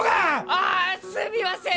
ああすみません！